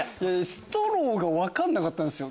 ストローが分かんなかったんすよ